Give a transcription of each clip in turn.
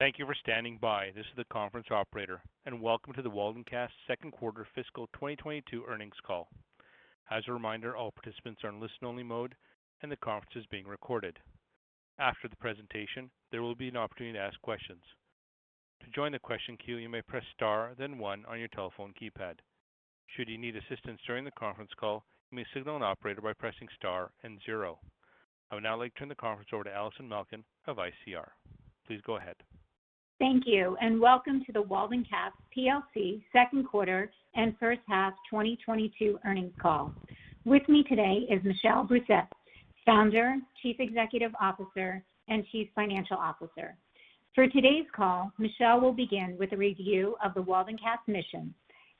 Thank you for standing by. This is the conference operator, and welcome to the Waldencast second quarter fiscal 2022 earnings call. As a reminder, all participants are in listen only mode, and the conference is being recorded. After the presentation, there will be an opportunity to ask questions. To join the question queue, you may press star then one on your telephone keypad. Should you need assistance during the conference call, you may signal an operator by pressing star and zero. I would now like to turn the conference over to Allison Malkin of ICR. Please go ahead. Thank you, and welcome to the Waldencast plc second quarter and first half 2022 earnings call. With me today is Michel Brousset, Founder, Chief Executive Officer, and Chief Financial Officer. For today's call, Michel will begin with a review of the Waldencast mission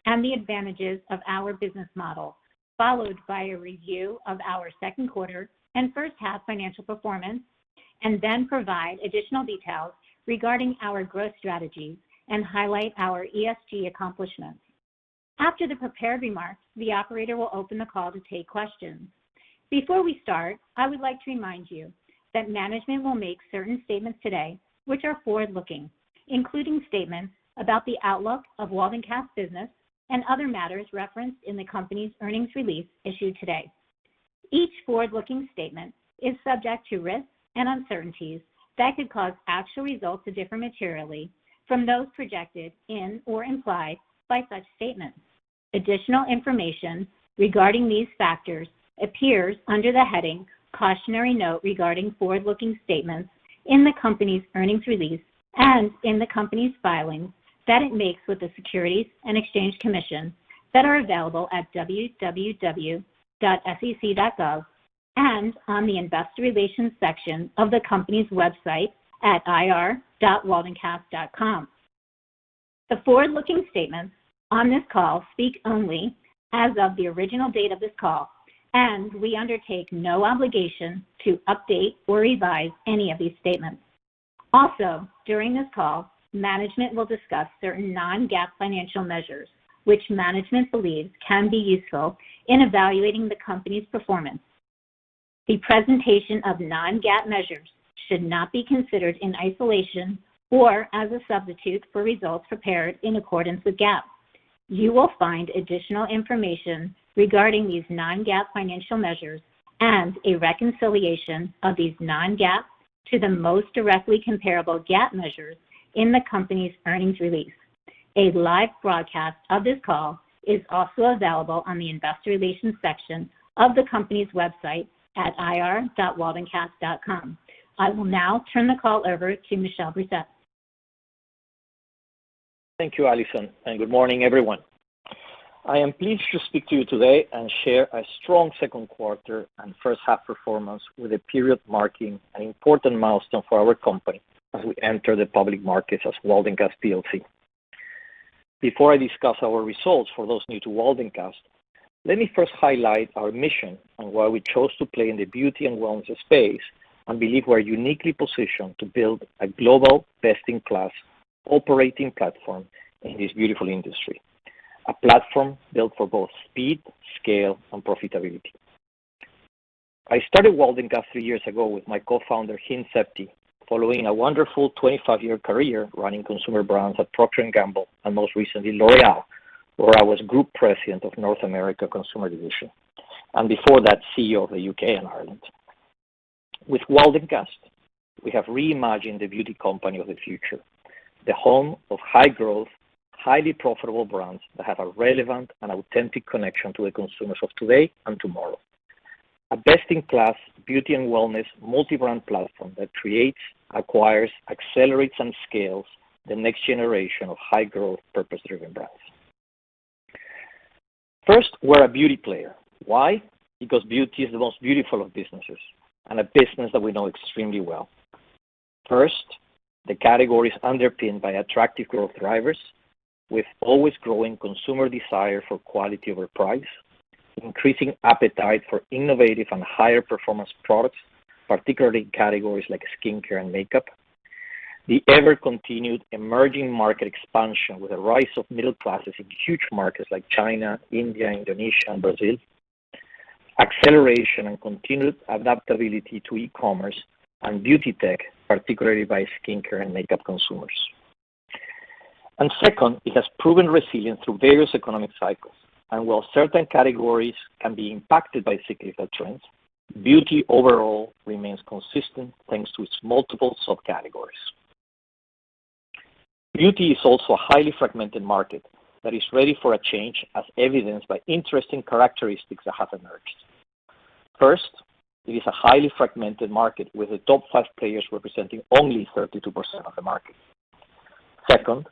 and the advantages of our business model, followed by a review of our second quarter and first half financial performance, and then provide additional details regarding our growth strategies and highlight our ESG accomplishments. After the prepared remarks, the operator will open the call to take questions. Before we start, I would like to remind you that management will make certain statements today which are forward-looking, including statements about the outlook of Waldencast business and other matters referenced in the company's earnings release issued today. Each forward-looking statement is subject to risks and uncertainties that could cause actual results to differ materially from those projected in or implied by such statements. Additional information regarding these factors appears under the heading Cautionary Note regarding forward-looking statements in the company's earnings release and in the company's filings that it makes with the Securities and Exchange Commission that are available at www.sec.gov and on the investor relations section of the company's website at ir.waldencast.com. The forward-looking statements on this call speak only as of the original date of this call, and we undertake no obligation to update or revise any of these statements. During this call, management will discuss certain non-GAAP financial measures which management believes can be useful in evaluating the company's performance. The presentation of non-GAAP measures should not be considered in isolation or as a substitute for results prepared in accordance with GAAP. You will find additional information regarding these non-GAAP financial measures and a reconciliation of these non-GAAP to the most directly comparable GAAP measures in the company's earnings release. A live broadcast of this call is also available on the investor relations section of the company's website at ir.waldencast.com. I will now turn the call over to Michel Brousset. Thank you, Allison, and good morning, everyone. I am pleased to speak to you today and share a strong second quarter and first half performance with a period marking an important milestone for our company as we enter the public markets as Waldencast plc. Before I discuss our results for those new to Waldencast, let me first highlight our mission and why we chose to play in the beauty and wellness space and believe we're uniquely positioned to build a global best-in-class operating platform in this beautiful industry, a platform built for both speed, scale, and profitability. I started Waldencast three years ago with my co-founder, Hind Sebti, following a wonderful 25-year career running consumer brands at Procter & Gamble and most recently L'Oréal, where I was Group President of North America Consumer Division, and before that, CEO of the U.K. and Ireland. With Waldencast, we have reimagined the beauty company of the future, the home of high-growth, highly profitable brands that have a relevant and authentic connection to the consumers of today and tomorrow. A best-in-class beauty and wellness multi-brand platform that creates, acquires, accelerates, and scales the next generation of high-growth, purpose-driven brands. First, we're a beauty player. Why? Because beauty is the most beautiful of businesses and a business that we know extremely well. First, the category is underpinned by attractive growth drivers with always growing consumer desire for quality over price, increasing appetite for innovative and higher performance products, particularly in categories like skincare and makeup. The ever-continued emerging market expansion with the rise of middle classes in huge markets like China, India, Indonesia, and Brazil. Acceleration and continued adaptability to e-commerce and beauty tech, particularly by skincare and makeup consumers. Second, it has proven resilient through various economic cycles. While certain categories can be impacted by cyclical trends, beauty overall remains consistent, thanks to its multiple subcategories. Beauty is also a highly fragmented market that is ready for a change, as evidenced by interesting characteristics that have emerged. First, it is a highly fragmented market, with the top five players representing only 32% of the market. Second,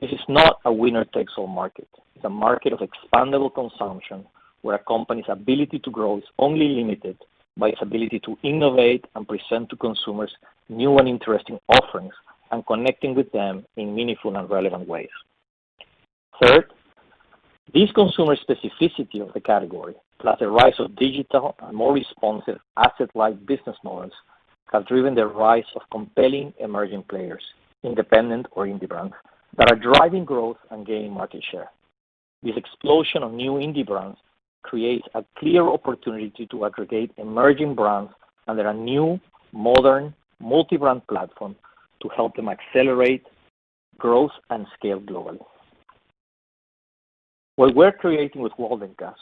this is not a winner takes all market. It's a market of expandable consumption, where a company's ability to grow is only limited by its ability to innovate and present to consumers new and interesting offerings and connecting with them in meaningful and relevant ways. Third, this consumer specificity of the category, plus the rise of digital and more responsive asset-light business models, have driven the rise of compelling emerging players, independent or indie brands, that are driving growth and gaining market share. This explosion of new indie brands creates a clear opportunity to aggregate emerging brands under a new modern multi-brand platform to help them accelerate growth and scale globally. What we're creating with Waldencast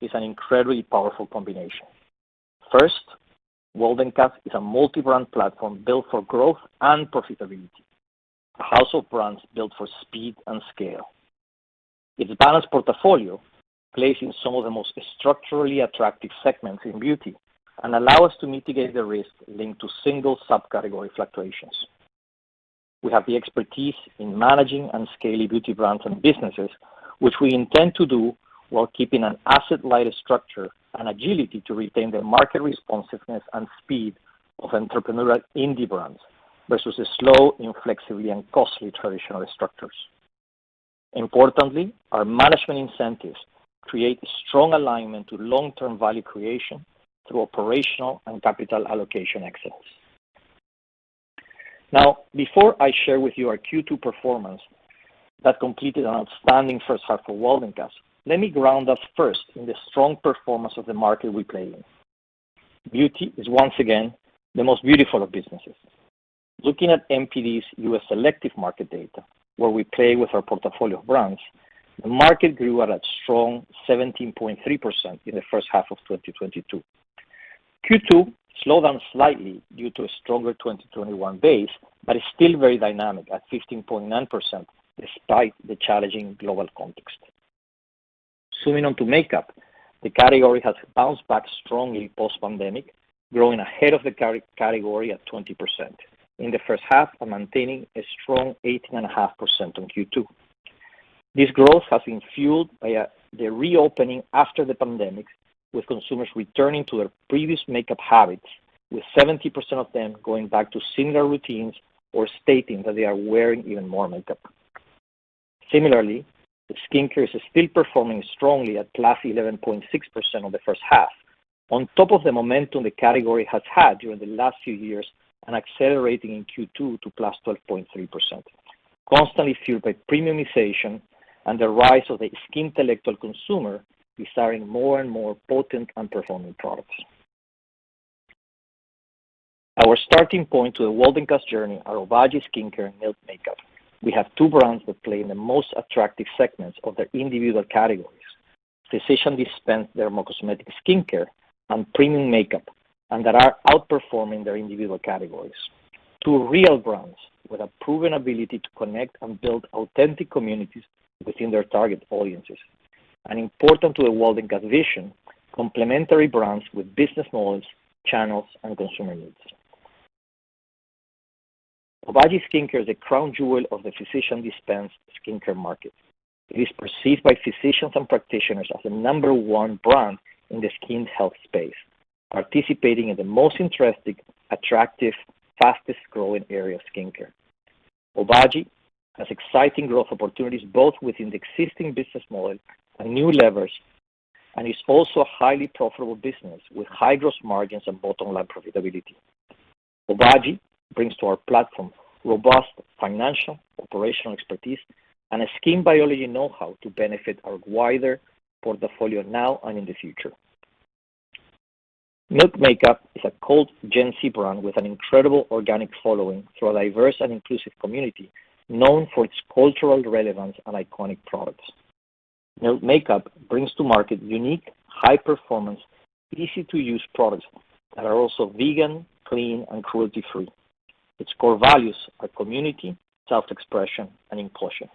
is an incredibly powerful combination. First, Waldencast is a multi-brand platform built for growth and profitability. A house of brands built for speed and scale. Its balanced portfolio plays in some of the most structurally attractive segments in beauty and allow us to mitigate the risk linked to single subcategory fluctuations. We have the expertise in managing and scaling beauty brands and businesses, which we intend to do while keeping an asset light structure and agility to retain the market responsiveness and speed of entrepreneurial indie brands versus the slow, inflexible, and costly traditional structures. Importantly, our management incentives create strong alignment to long-term value creation through operational and capital allocation excellence. Now, before I share with you our Q2 performance that completed an outstanding first half for Waldencast, let me ground us first in the strong performance of the market we play in. Beauty is once again the most beautiful of businesses. Looking at NPD's U.S. selective market data, where we play with our portfolio of brands, the market grew at a strong 17.3% in the first half of 2022. Q2 slowed down slightly due to a stronger 2021 base, but is still very dynamic at 15.9% despite the challenging global context. Zooming on to makeup, the category has bounced back strongly post-pandemic, growing ahead of the category at 20% in the first half and maintaining a strong 18.5% on Q2. This growth has been fueled by the reopening after the pandemic, with consumers returning to their previous makeup habits, with 70% of them going back to similar routines or stating that they are wearing even more makeup. Similarly, the skincare is still performing strongly at +11.6% on the first half. On top of the momentum the category has had during the last few years and accelerating in Q2 to +12.3%, constantly fueled by premiumization and the rise of the skintellectual consumer desiring more and more potent and performing products. Our starting point to the Waldencast journey are Obagi Skincare and Milk Makeup. We have two brands that play in the most attractive segments of their individual categories. Physician dispensed dermocosmetic skincare and premium makeup, and that are outperforming their individual categories. Two real brands with a proven ability to connect and build authentic communities within their target audiences. Important to the Waldencast vision, complementary brands with business models, channels, and consumer needs. Obagi Skincare is the crown jewel of the physician dispensed skincare market. It is perceived by physicians and practitioners as the number one brand in the skin health space, participating in the most interesting, attractive, fastest-growing area of skincare. Obagi has exciting growth opportunities, both within the existing business model and new levers, and is also a highly profitable business with high gross margins and bottom-line profitability. Obagi brings to our platform robust financial, operational expertise and a skin biology know-how to benefit our wider portfolio now and in the future. Milk Makeup is a cult Gen Z brand with an incredible organic following through a diverse and inclusive community known for its cultural relevance and iconic products. Milk Makeup brings to market unique, high-performance, easy-to-use products that are also vegan, clean, and cruelty-free. Its core values are community, self-expression, and inclusion.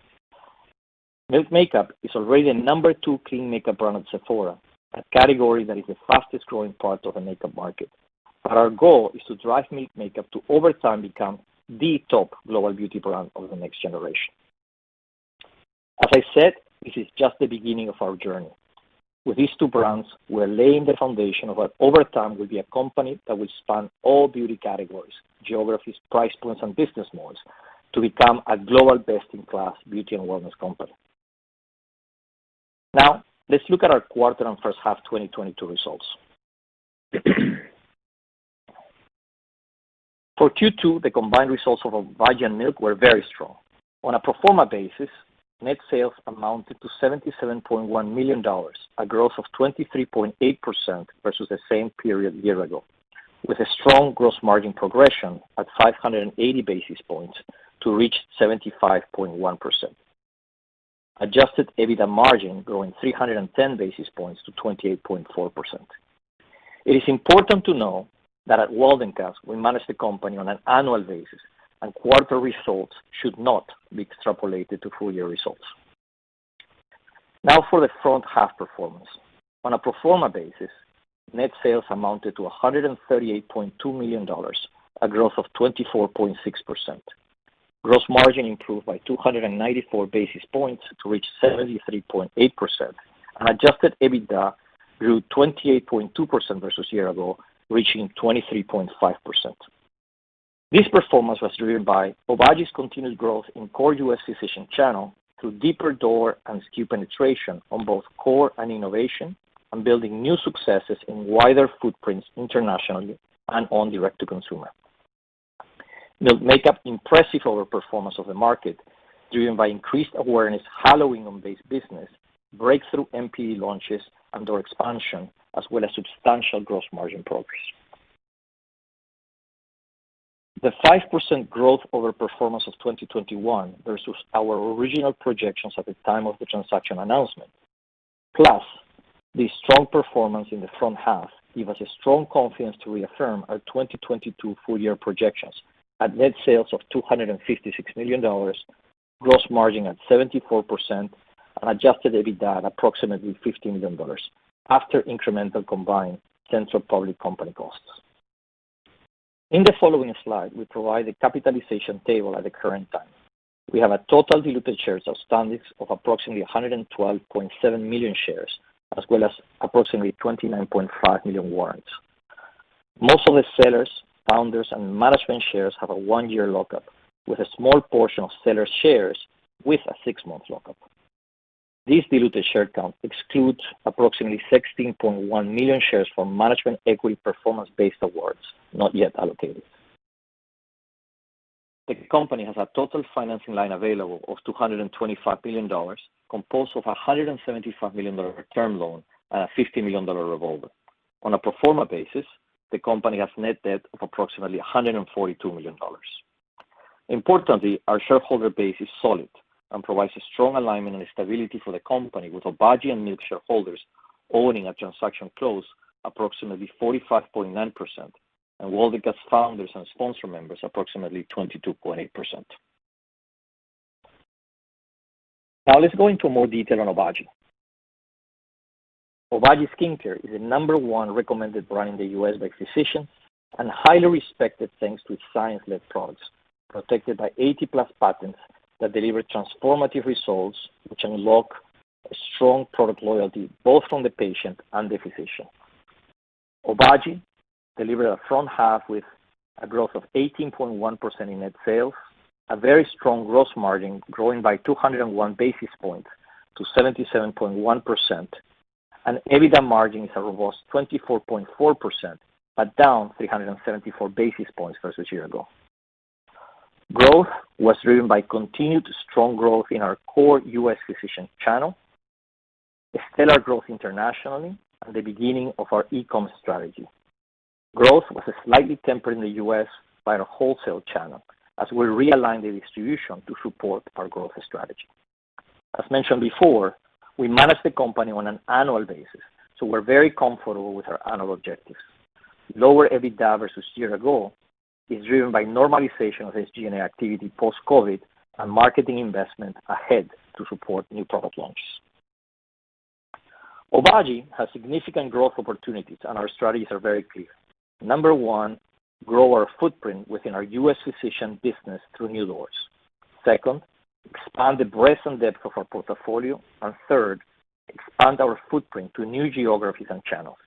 Milk Makeup is already the number 2 clean makeup brand at Sephora, a category that is the fastest-growing part of the makeup market. Our goal is to drive Milk Makeup to, over time, become the top global beauty brand of the next generation. As I said, this is just the beginning of our journey. With these two brands, we're laying the foundation of what over time will be a company that will span all beauty categories, geographies, price points, and business models to become a global best-in-class beauty and wellness company. Now, let's look at our quarter and first half 2022 results. For Q2, the combined results of Obagi and Milk were very strong. On a pro forma basis, net sales amounted to $77.1 million, a growth of 23.8% versus the same period a year ago, with a strong gross margin progression at 580 basis points to reach 75.1%. Adjusted EBITDA margin growing 310 basis points to 28.4%. It is important to know that at Waldencast, we manage the company on an annual basis, and quarter results should not be extrapolated to full-year results. Now for the front half performance. On a pro forma basis, net sales amounted to $138.2 million, a growth of 24.6%. Gross margin improved by 294 basis points to reach 73.8%, and adjusted EBITDA grew 28.2% versus a year ago, reaching 23.5%. This performance was driven by Obagi's continued growth in core US physician channel through deeper door and SKU penetration on both core and innovation and building new successes in wider footprints internationally and on direct-to-consumer. Milk Makeup's impressive overperformance of the market driven by increased awareness, halo on base business, breakthrough NPD launches, and door expansion, as well as substantial gross margin progress. The 5% growth overperformance of 2021 versus our original projections at the time of the transaction announcement, plus the strong performance in the front half give us a strong confidence to reaffirm our 2022 full year projections at net sales of $256 million, gross margin at 74% and Adjusted EBITDA approximately $50 million after incremental combined central public company costs. In the following slide, we provide the capitalization table at the current time. We have a total diluted shares outstanding of approximately 112.7 million shares as well as approximately 29.5 million warrants. Most of the sellers, founders, and management shares have a 1-year lockup with a small portion of sellers' shares with a 6-month lockup. This diluted share count excludes approximately 16.1 million shares from management equity performance-based awards, not yet allocated. The company has a total financing line available of $225 million, composed of a $175 million term loan and a $50 million revolver. On a pro forma basis, the company has net debt of approximately $142 million. Importantly, our shareholder base is solid and provides a strong alignment and stability for the company with Obagi and Milk shareholders owning at transaction close approximately 45.9%, and Waldencast founders and sponsor members approximately 22.8%. Now let's go into more detail on Obagi. Obagi Skincare is the number one recommended brand in the U.S. by physicians and highly respected thanks to its science-led products, protected by 80+ patents that deliver transformative results which unlock a strong product loyalty, both from the patient and the physician. Obagi delivered a strong half with a growth of 18.1% in net sales, a very strong gross margin growing by 201 basis points to 77.1% and EBITDA margins of almost 24.4%, but down 374 basis points versus year ago. Growth was driven by continued strong growth in our core U.S. physician channel, a stellar growth internationally and the beginning of our e-com strategy. Growth was slightly tempered in the U.S. by the wholesale channel as we realigned the distribution to support our growth strategy. As mentioned before, we manage the company on an annual basis, so we're very comfortable with our annual objectives. Lower EBITDA versus year ago is driven by normalization of SG&A activity post-COVID and marketing investment ahead to support new product launches. Obagi has significant growth opportunities and our strategies are very clear. Number one, grow our footprint within our U.S. physician business through new doors. Second, expand the breadth and depth of our portfolio. Third, expand our footprint to new geographies and channels.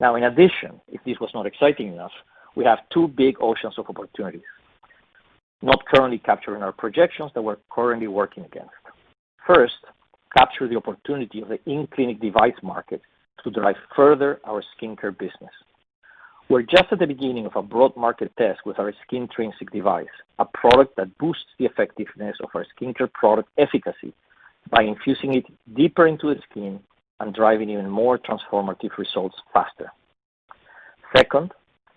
Now, in addition, if this was not exciting enough, we have two big oceans of opportunities not currently captured in our projections that we're currently working on. First, capture the opportunity of the in-clinic device market to drive further our skincare business. We're just at the beginning of a broad market test with our Skintrinsiq device, a product that boosts the effectiveness of our skincare product efficacy by infusing it deeper into the skin and driving even more transformative results faster. Second,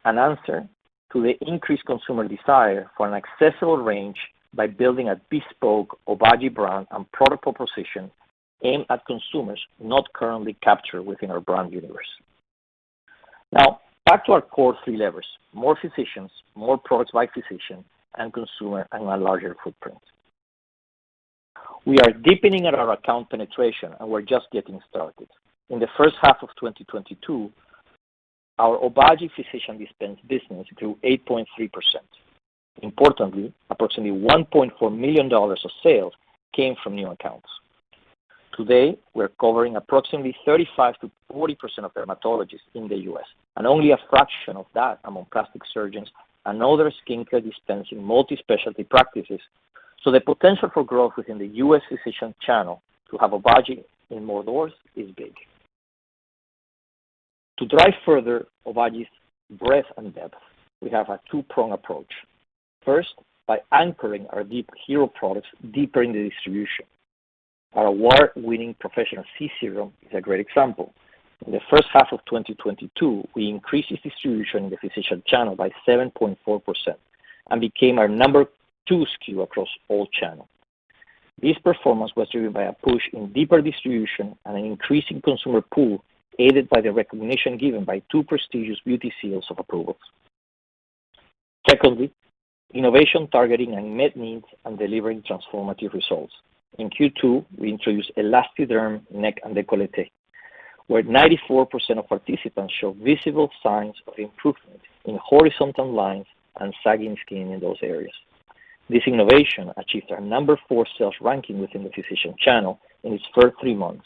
an answer to the increased consumer desire for an accessible range by building a bespoke Obagi brand and product proposition aimed at consumers not currently captured within our brand universe. Now, back to our core three levers, more physicians, more products by physician and consumer, and a larger footprint. We are deepening our account penetration, and we're just getting started. In the first half of 2022, our Obagi physician dispense business grew 8.3%. Importantly, approximately $1.4 million of sales came from new accounts. Today, we're covering approximately 35%-40% of dermatologists in the U.S., and only a fraction of that among plastic surgeons and other skincare dispensers in multi-specialty practices. The potential for growth within the U.S. physician channel to have Obagi in more doors is big. To drive further Obagi's breadth and depth, we have a two-prong approach. First, by anchoring our deep hero products deeper in the distribution. Our award-winning Professional-C Serum is a great example. In the first half of 2022, we increased its distribution in the physician channel by 7.4% and became our number two SKU across all channels. This performance was driven by a push in deeper distribution and an increase in consumer pull, aided by the recognition given by two prestigious beauty seals of approval. Secondly, innovation targeting unmet needs and delivering transformative results. In Q2, we introduced ELASTIderm neck and décolleté, where 94% of participants show visible signs of improvement in horizontal lines and sagging skin in those areas. This innovation achieved our number four sales ranking within the physician channel in its first three months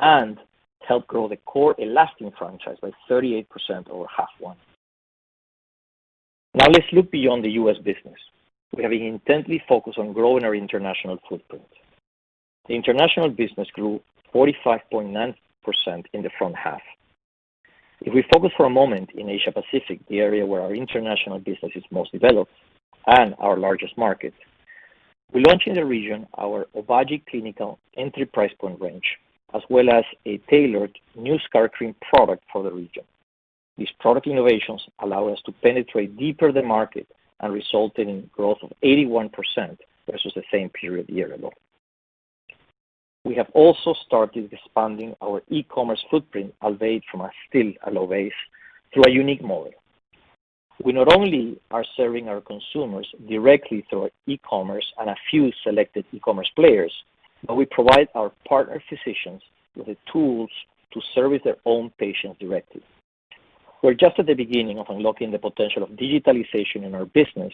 and helped grow the core ELASTIderm franchise by 38% over H1. Now let's look beyond the U.S. business. We have been intently focused on growing our international footprint. The international business grew 45.9% in the front half. If we focus for a moment in Asia Pacific, the area where our international business is most developed and our largest market, we launched in the region our Obagi Clinical entry price point range, as well as a tailored new scar cream product for the region. These product innovations allow us to penetrate deeper the market and resulted in growth of 81% versus the same period a year ago. We have also started expanding our e-commerce footprint, albeit from a still a low base through a unique model. We not only are serving our consumers directly through our e-commerce and a few selected e-commerce players, but we provide our partner physicians with the tools to service their own patients directly. We're just at the beginning of unlocking the potential of digitalization in our business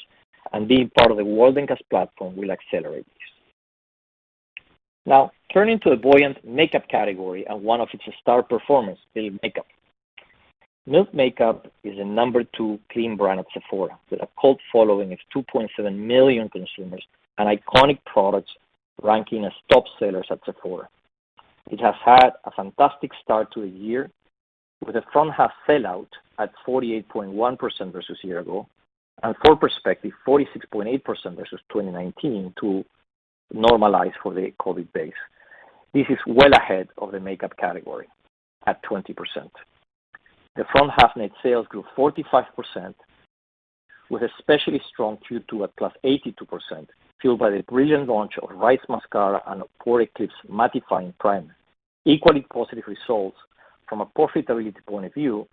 and being part of the Waldencast platform will accelerate this. Now turning to a buoyant makeup category and one of its star performers, Milk Makeup. Milk Makeup is the number 2 clean brand at Sephora with a cult following of 2.7 million consumers and iconic products ranking as top sellers at Sephora. It has had a fantastic start to the year with a front half sellout at 48.1% versus a year ago, and for perspective, 46.8% versus 2019 to normalize for the COVID base. This is well ahead of the makeup category at 20%. The front half net sales grew 45% with especially strong Q2 at +82%, fueled by the brilliant launch of Rise Mascara and Pore Eclipse Mattifying Primer. Equally positive results from a profitability point of view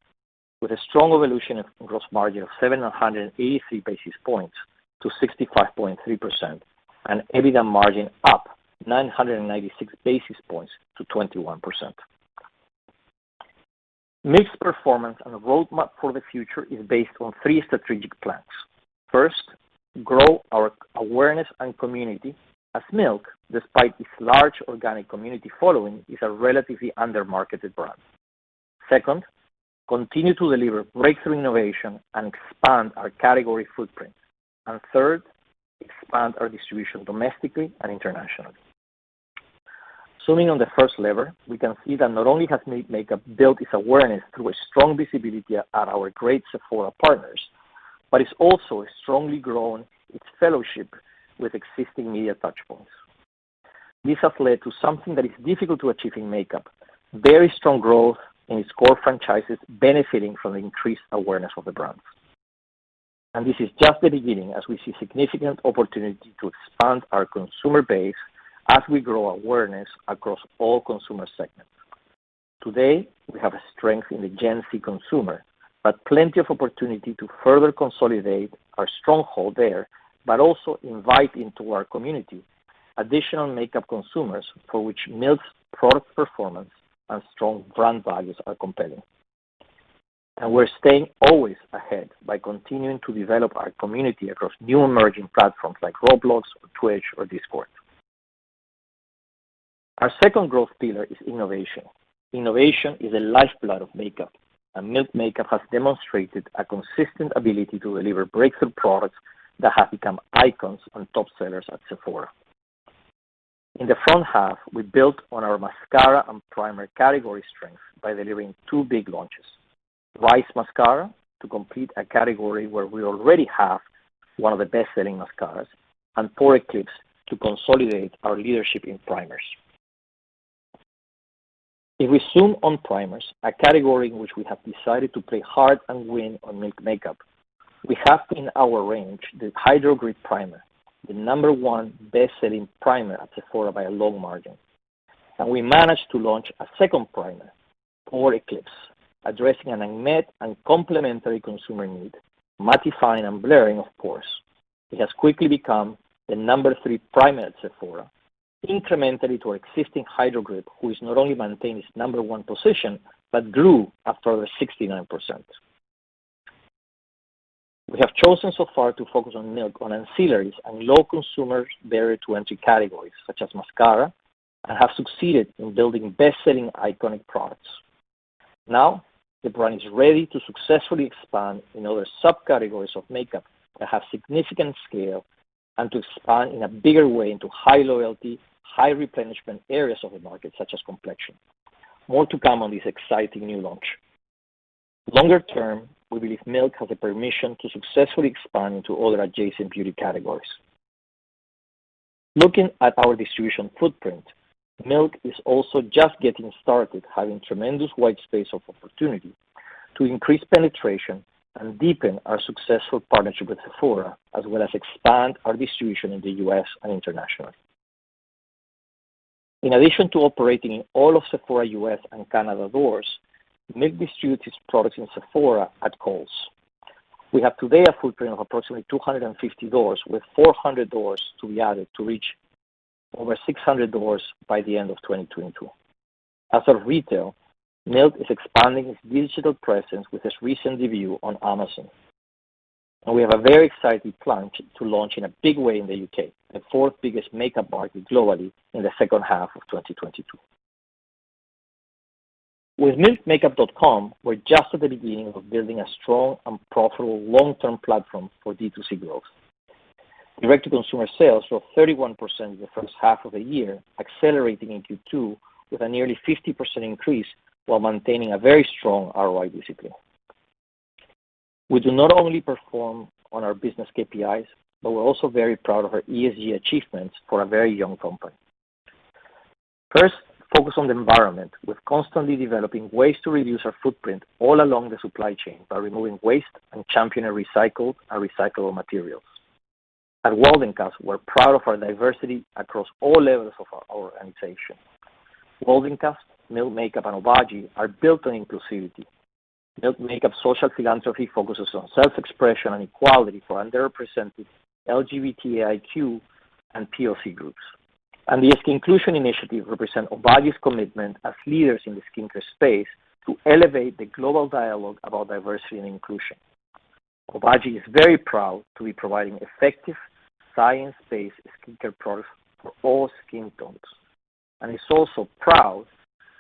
with a strong evolution of gross margin of 783 basis points to 65.3% and EBITDA margin up 996 basis points to 21%. Milk's performance and roadmap for the future is based on three strategic plans. First, grow our awareness and community as Milk, despite its large organic community following, is a relatively under-marketed brand. Second, continue to deliver breakthrough innovation and expand our category footprint. Third, expand our distribution domestically and internationally. Zooming on the first lever, we can see that not only has Milk Makeup built its awareness through a strong visibility at our great Sephora partners, but it's also strongly grown its following with existing media touchpoints. This has led to something that is difficult to achieve in makeup, very strong growth in its core franchises benefiting from the increased awareness of the brands. This is just the beginning as we see significant opportunity to expand our consumer base as we grow awareness across all consumer segments. Today, we have a strength in the Gen Z consumer, but plenty of opportunity to further consolidate our stronghold there, but also invite into our community additional makeup consumers for which Milk's product performance and strong brand values are compelling. We're staying always ahead by continuing to develop our community across new emerging platforms like Roblox or Twitch or Discord. Our second growth pillar is innovation. Innovation is a lifeline of makeup, and Milk Makeup has demonstrated a consistent ability to deliver breakthrough products that have become icons and top sellers at Sephora. In the front half, we built on our mascara and primer category strength by delivering two big launches, Rise Mascara to complete a category where we already have one of the best-selling mascaras, and Pore Eclipse to consolidate our leadership in primers. If we zoom on primers, a category in which we have decided to play hard and win on Milk Makeup, we have in our range the Hydro Grip Primer, the number one best-selling primer at Sephora by a long margin. We managed to launch a second primer, Pore Eclipse, addressing an unmet and complementary consumer need, mattifying and blurring, of course. It has quickly become the number three primer at Sephora, incrementally to our existing Hydro Grip, who is not only maintaining its number one position but grew a further 69%. We have chosen so far to focus on Milk on ancillaries and low consumer barrier to entry categories such as mascara, and have succeeded in building best-selling iconic products. Now, the brand is ready to successfully expand in other subcategories of makeup that have significant scale and to expand in a bigger way into high loyalty, high replenishment areas of the market such as complexion. More to come on this exciting new launch. Longer term, we believe Milk has the permission to successfully expand into other adjacent beauty categories. Looking at our distribution footprint, Milk is also just getting started having tremendous white space of opportunity to increase penetration and deepen our successful partnership with Sephora, as well as expand our distribution in the US and internationally. In addition to operating in all of Sephora US and Canada doors, Milk distributes its products in Sephora at Kohl's. We have today a footprint of approximately 250 doors with 400 doors to be added to reach over 600 doors by the end of 2022. As a retailer, Milk is expanding its digital presence with its recent debut on Amazon. We have a very exciting plan to launch in a big way in the U.K., the fourth biggest makeup market globally in the second half of 2022. With milkmakeup.com, we're just at the beginning of building a strong and profitable long-term platform for D2C growth. Direct-to-consumer sales were 31% in the first half of the year, accelerating in Q2 with a nearly 50% increase while maintaining a very strong ROI discipline. We do not only perform on our business KPIs, but we're also very proud of our ESG achievements for a very young company. First, focus on the environment. We're constantly developing ways to reduce our footprint all along the supply chain by removing waste and championing recycled and recyclable materials. At Waldencast, we're proud of our diversity across all levels of our organization. Waldencast, Milk Makeup, and Obagi are built on inclusivity. Milk Makeup social philanthropy focuses on self-expression and equality for underrepresented LGBTIQ and POC groups. The SKINCLUSION initiative represents Obagi's commitment as leaders in the skincare space to elevate the global dialogue about diversity and inclusion. Obagi is very proud to be providing effective science-based skincare products for all skin tones, and is also proud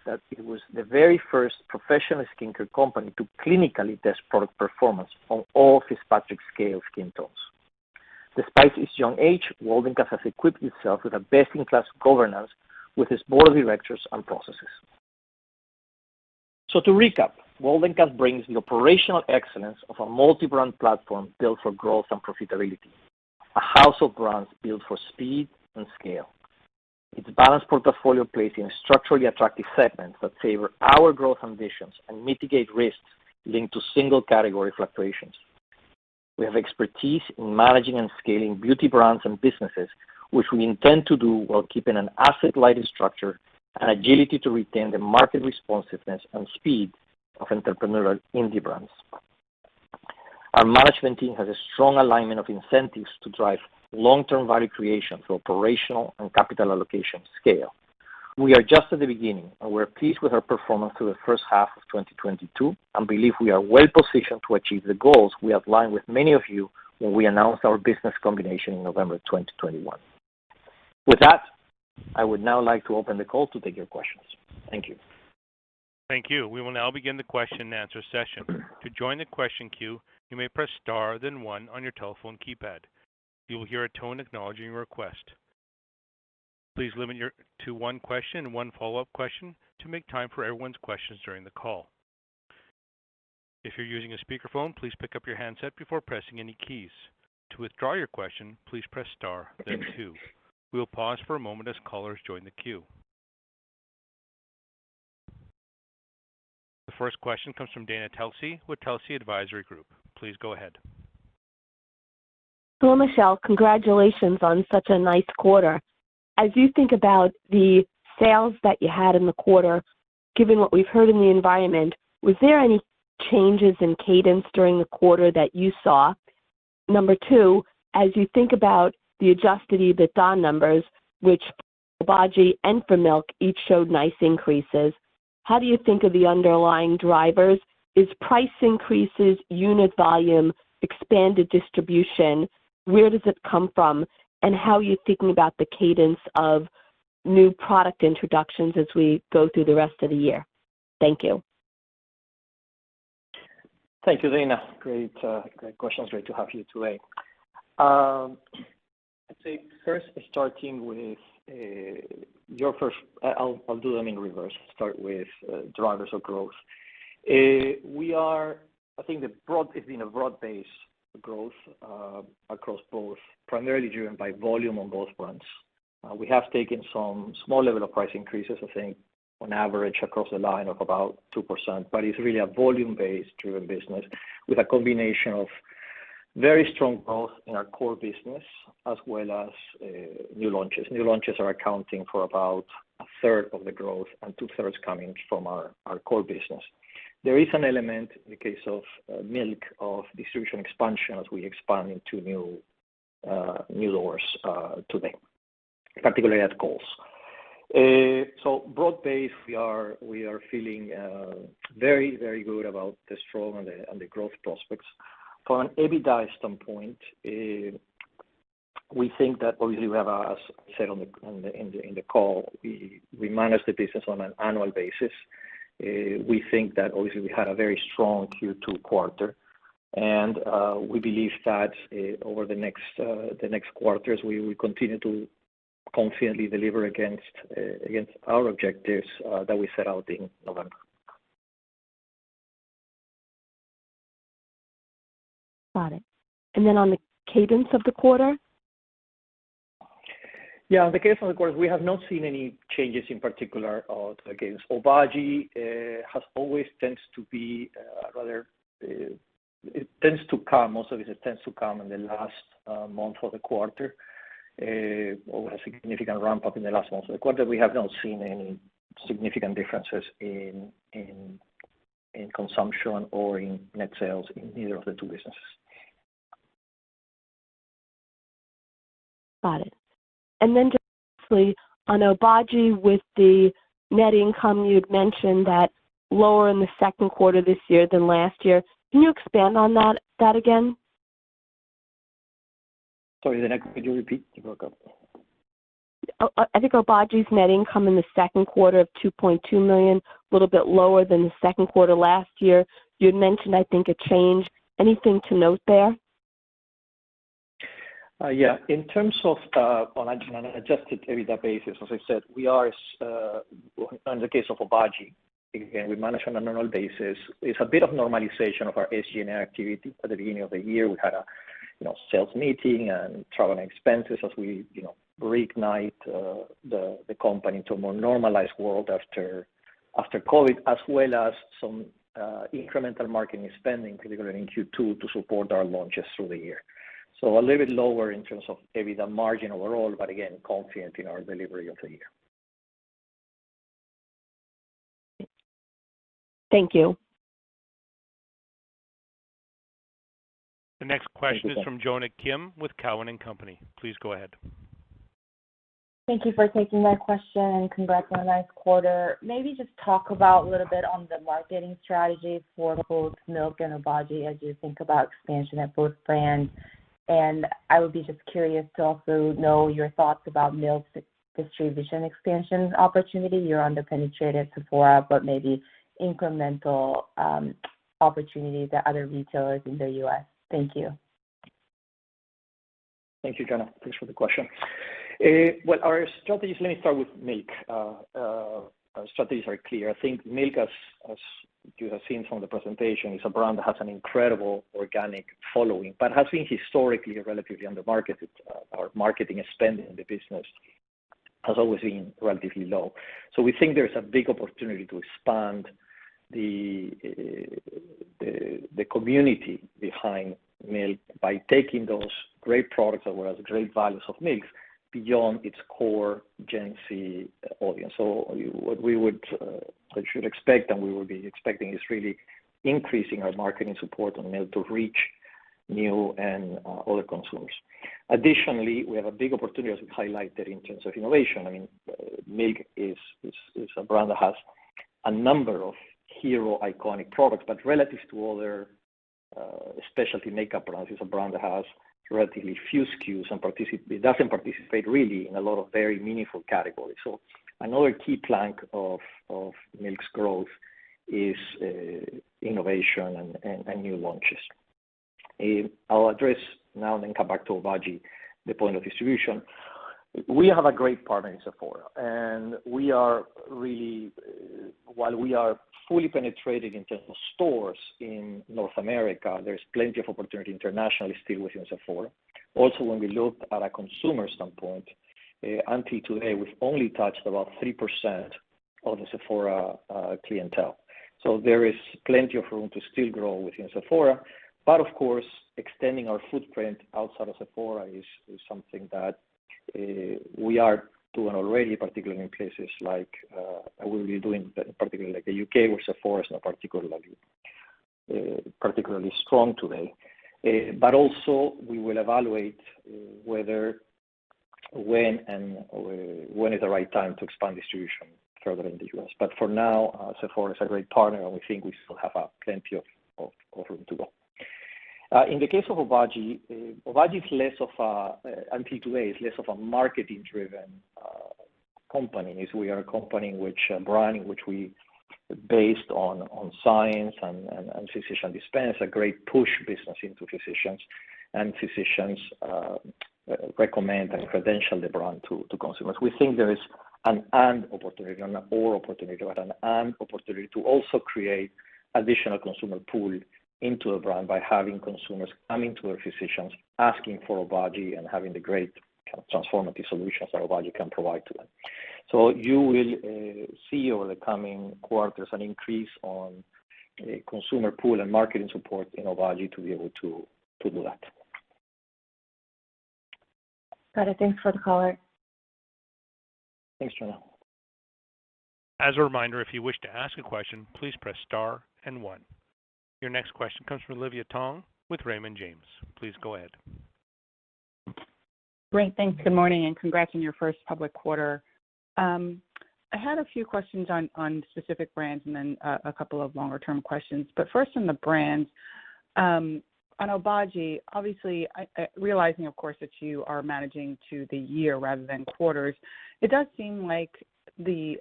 that it was the very first professional skincare company to clinically test product performance on all Fitzpatrick scale skin tones. Despite its young age, Waldencast has equipped itself with a best-in-class governance with its board of directors and processes. To recap, Waldencast brings the operational excellence of a multi-brand platform built for growth and profitability, a house of brands built for speed and scale. Its balanced portfolio plays in structurally attractive segments that favor our growth ambitions and mitigate risks linked to single category fluctuations. We have expertise in managing and scaling beauty brands and businesses, which we intend to do while keeping an asset-light structure and agility to retain the market responsiveness and speed of entrepreneurial indie brands. Our management team has a strong alignment of incentives to drive long-term value creation through operational and capital allocation scale. We are just at the beginning, and we're pleased with our performance through the first half of 2022 and believe we are well-positioned to achieve the goals we outlined with many of you when we announced our business combination in November of 2021. With that, I would now like to open the call to take your questions. Thank you. Thank you. We will now begin the question-and-answer session. To join the question queue, you may press star then one on your telephone keypad. You will hear a tone acknowledging your request. Please limit yourself to one question and one follow-up question to make time for everyone's questions during the call. If you're using a speakerphone, please pick up your handset before pressing any keys. To withdraw your question, please press star then two. We will pause for a moment as callers join the queue. The first question comes from Dana Telsey with Telsey Advisory Group. Please go ahead. Michel, congratulations on such a nice quarter. As you think about the sales that you had in the quarter, given what we've heard in the environment, was there any changes in cadence during the quarter that you saw? Number two, as you think about the Adjusted EBITDA numbers, which Obagi and Milk each showed nice increases, how do you think of the underlying drivers? Is price increases, unit volume, expanded distribution? Where does it come from, and how are you thinking about the cadence of new product introductions as we go through the rest of the year? Thank you. Thank you, Dana. Great questions. Great to have you today. I'd say I'll do them in reverse. Start with drivers of growth. I think it's been a broad-based growth across both, primarily driven by volume on both brands. We have taken some small level of price increases, I think on average across the line of about 2%. It's really a volume-based driven business with a combination of very strong growth in our core business as well as new launches. New launches are accounting for about 1/3 of the growth and 2/3 coming from our core business. There is an element in the case of Milk of distribution expansion as we expand into new doors today, particularly at Kohl's. Broad-based, we are feeling very good about the strong and the growth prospects. From an EBITDA standpoint, we think that obviously, as said in the call, we manage the business on an annual basis. We think that obviously we had a very strong Q2 quarter and we believe that over the next quarters we will continue to confidently deliver against our objectives that we set out in November. Got it. On the cadence of the quarter? Yeah, on the cadence of the quarter, we have not seen any changes in particular of the cadence. Obagi has always tends to be it tends to come, most of it tends to come in the last month of the quarter or a significant ramp-up in the last month of the quarter. We have not seen any significant differences in consumption or in net sales in either of the two businesses. Got it. Just lastly, on Obagi with the net income, you'd mentioned that lower in the second quarter this year than last year. Can you expand on that again? Sorry, Dana, could you repeat? You broke up. I think Obagi's net income in the second quarter of $2.2 million, a little bit lower than the second quarter last year. You had mentioned, I think, a change. Anything to note there? Yeah. In terms of on an Adjusted EBITDA basis, as I said, we are in the case of Obagi, again, we manage on an annual basis. It's a bit of normalization of our SG&A activity. At the beginning of the year, we had a you know, sales meeting and travel and expenses as we you know, reignite the company to a more normalized world after COVID, as well as some incremental marketing spending, particularly in Q2, to support our launches through the year. A little bit lower in terms of EBITDA margin overall, but again, confident in our delivery of the year. Thank you. The next question is from Jonna Kim with Cowen and Company. Please go ahead. Thank you for taking my question, and congrats on a nice quarter. Maybe just talk about a little bit on the marketing strategy for both Milk and Obagi as you think about expansion at both brands. I would be just curious to also know your thoughts about Milk's distribution expansion opportunity. You're under-penetrated at Sephora, but maybe incremental opportunities at other retailers in the U.S. Thank you. Thank you, Jonna. Thanks for the question. Well, our strategies. Let me start with Milk. Our strategies are clear. I think Milk, as you have seen from the presentation, is a brand that has an incredible organic following, but has been historically relatively under-marketed. Our marketing spending in the business has always been relatively low. We think there's a big opportunity to expand the community behind Milk by taking those great products as well as great values of Milk beyond its core Gen Z audience. What we should expect and we will be expecting is really increasing our marketing support on Milk to reach new and other consumers. Additionally, we have a big opportunity, as we've highlighted, in terms of innovation. I mean, Milk is a brand that has a number of hero iconic products, but relative to other specialty makeup brands, it's a brand that has relatively few SKUs and it doesn't participate really in a lot of very meaningful categories. Another key plank of Milk's growth is innovation and new launches. I'll address now the point of distribution, then come back to Obagi. We have a great partner in Sephora, and while we are fully penetrated in terms of stores in North America, there's plenty of opportunity internationally still within Sephora. Also, when we look at a consumer standpoint, until today, we've only touched about 3% of the Sephora clientele. There is plenty of room to still grow within Sephora. Of course, extending our footprint outside of Sephora is something that we are doing already, particularly like the U.K., where Sephora is not particularly strong today. Also we will evaluate whether, when and when is the right time to expand distribution further in the U.S. For now, Sephora is a great partner, and we think we still have plenty of room to go. In the case of Obagi, until today, is less of a marketing-driven company. It is a brand which is based on science and physician-dispensed, a great push business into physicians, and physicians recommend and credential the brand to consumers. We think there is an and opportunity, not an or opportunity, but an and opportunity to also create additional consumer pool into a brand by having consumers coming to their physicians, asking for Obagi and having the great kind of transformative solutions that Obagi can provide to them. You will see over the coming quarters an increase on consumer pool and marketing support in Obagi to be able to do that. Got it. Thanks for the color. Thanks, Jonna. As a reminder, if you wish to ask a question, please press Star and One. Your next question comes from Olivia Tong with Raymond James. Please go ahead. Great. Thanks. Good morning and congrats on your first public quarter. I had a few questions on specific brands and then a couple of longer-term questions. First on the brands, on Obagi, obviously, realizing of course that you are managing to the year rather than quarters, it does seem like the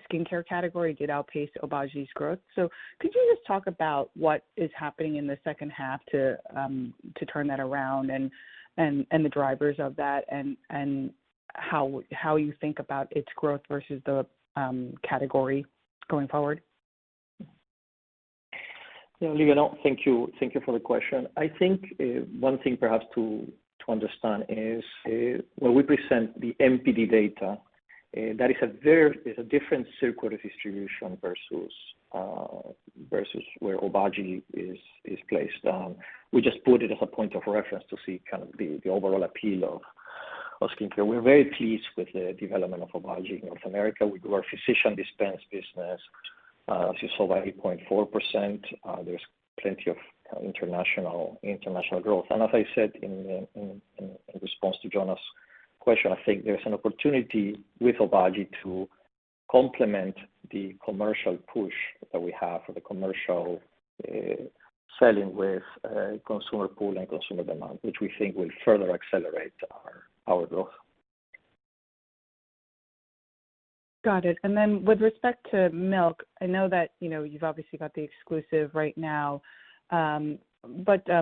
skincare category did outpace Obagi's growth. Could you just talk about what is happening in the second half to turn that around and the drivers of that and how you think about its growth versus the category going forward? No, Olivia, no. Thank you. Thank you for the question. I think one thing perhaps to understand is when we present the NPD data, that is a different circuit of distribution versus where Obagi is placed. We just put it as a point of reference to see kind of the overall appeal of skincare. We're very pleased with the development of Obagi in North America. We grew our physician dispense business, as you saw, by 8.4%. There's plenty of international growth. As I said in response to Jonna's question, I think there's an opportunity with Obagi to complement the commercial push that we have for the commercial selling with a consumer pull and consumer demand, which we think will further accelerate our growth. Got it. Then with respect to Milk, I know that, you know, you've obviously got the exclusive right now, but, you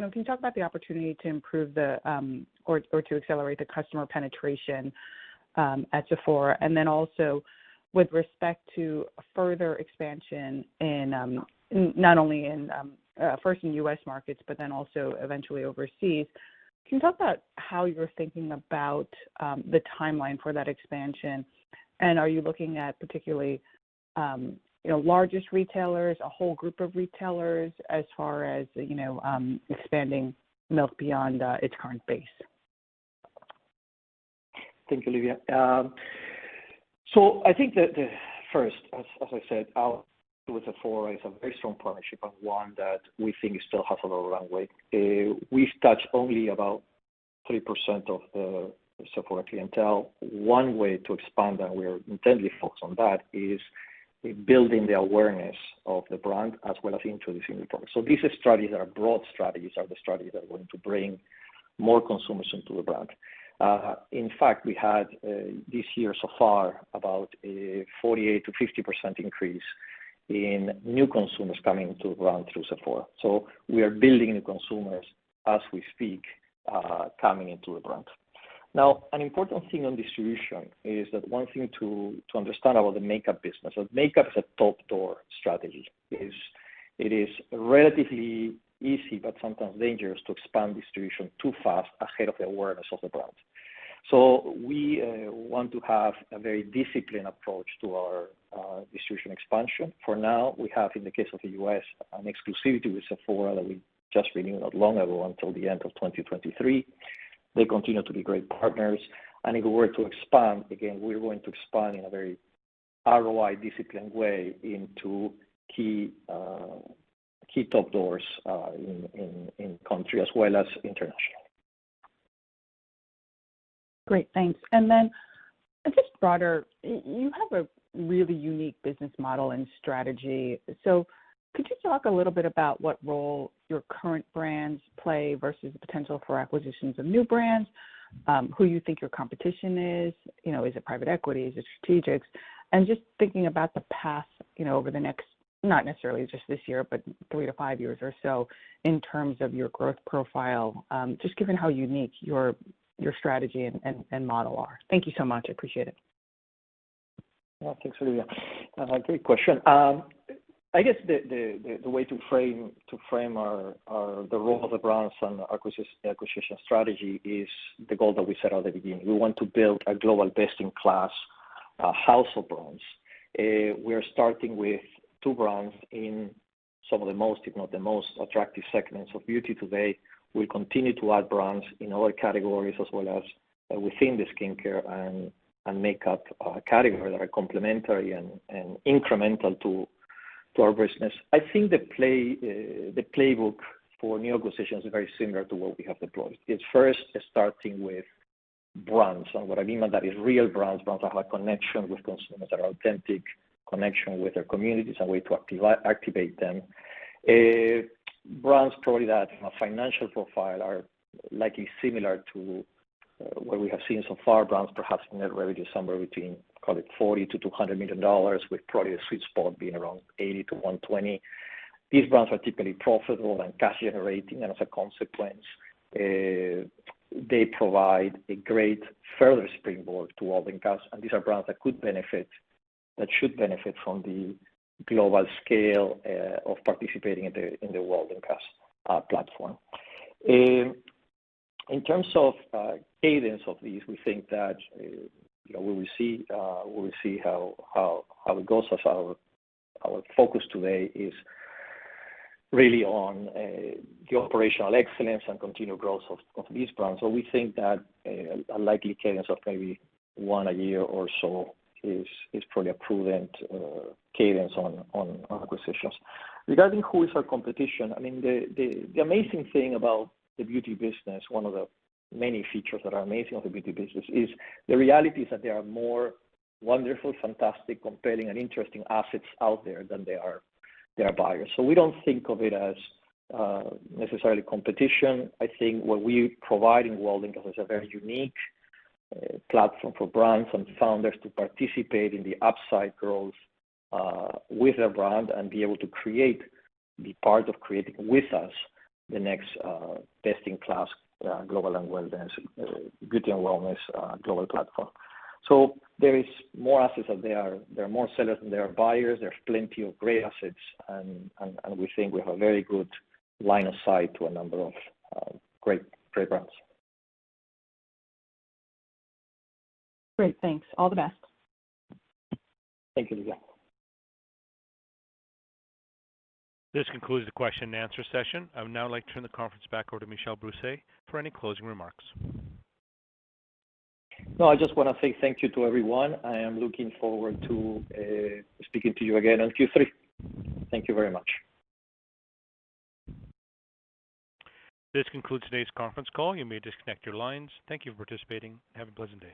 know, can you talk about the opportunity to improve the or to accelerate the customer penetration at Sephora? Then also with respect to further expansion in not only first in U.S. markets, but then also eventually overseas. Can you talk about how you're thinking about the timeline for that expansion? Are you looking at particularly, you know, largest retailers, a whole group of retailers as far as, you know, expanding Milk beyond its current base? Thank you, Olivia. I think that our partnership with Sephora is a very strong partnership and one that we think still has a lot of runway. We've touched only about 3% of the Sephora clientele. One way to expand that, we are intently focused on that, is building the awareness of the brand as well as introducing new products. These strategies are broad strategies, are the strategies that are going to bring more consumers into the brand. In fact, we had this year so far about a 48%-50% increase in new consumers coming to the brand through Sephora. We are building the consumers as we speak, coming into the brand. Now, an important thing on distribution is that one thing to understand about the makeup business, so makeup's a top door strategy is it is relatively easy, but sometimes dangerous to expand distribution too fast ahead of the awareness of the brand. We want to have a very disciplined approach to our distribution expansion. For now, we have, in the case of the U.S., an exclusivity with Sephora that we just renewed not long ago until the end of 2023. They continue to be great partners. If we were to expand, again, we're going to expand in a very ROI disciplined way into key top doors in country as well as international. Great. Thanks. Just broader, you have a really unique business model and strategy. Could you talk a little bit about what role your current brands play versus the potential for acquisitions of new brands, who you think your competition is? You know, is it private equity? Is it strategics? Just thinking about the path, you know, over the next, not necessarily just this year, but 3-5 years or so in terms of your growth profile, just given how unique your strategy and model are. Thank you so much. I appreciate it. Yeah. Thanks, Olivia. Great question. I guess the way to frame our the role of the brands and acquisition strategy is the goal that we set at the beginning. We want to build a global best-in-class house of brands. We are starting with two brands in some of the most, if not the most attractive segments of beauty today. We continue to add brands in other categories as well as within the skincare and makeup category that are complementary and incremental to our business. I think the playbook for new acquisitions are very similar to what we have deployed. It's first starting with brands. What I mean by that is real brands that have a connection with consumers, that are authentic connection with their communities, a way to activate them. Brands probably that from a financial profile are likely similar to what we have seen so far, brands perhaps net revenue somewhere between, call it $40-$200 million, with probably the sweet spot being around $80-$120 million. These brands are typically profitable and cash generating. As a consequence, they provide a great further springboard to Waldencast. These are brands that could benefit, that should benefit from the global scale of participating in the Waldencast platform. In terms of cadence of these, we think that, you know, we will see how it goes. As our focus today is really on the operational excellence and continued growth of these brands. We think that a likely cadence of maybe one a year or so is probably a prudent cadence on acquisitions. Regarding who is our competition, I mean, the amazing thing about the beauty business, one of the many features that are amazing of the beauty business is the reality is that there are more wonderful, fantastic, compelling and interesting assets out there than there are buyers. We don't think of it as necessarily competition. I think what we provide in Waldencast is a very unique platform for brands and founders to participate in the upside growth with a brand and be able to create, be part of creating with us the next best-in-class global and wellness beauty and wellness global platform. There is more assets than there are. There are more sellers than there are buyers. There's plenty of great assets and we think we have a very good line of sight to a number of great brands. Great. Thanks. All the best. Thank you, Olivia. This concludes the question-and-answer session. I would now like to turn the conference back over to Michel Brousset for any closing remarks. No, I just wanna say thank you to everyone. I am looking forward to speaking to you again on Q3. Thank you very much. This concludes today's conference call. You may disconnect your lines. Thank you for participating and have a pleasant day.